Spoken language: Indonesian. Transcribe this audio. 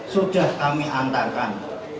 sudah kami antarkan